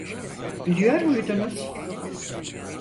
Bilmiyor muydunuz?